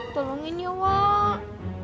tolongin ya wak